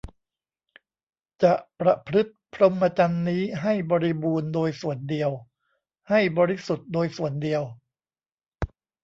จะประพฤติพรหมจรรย์นี้ให้บริบูรณ์โดยส่วนเดียว ให้บริสุทธิ์โดยส่วนเดียว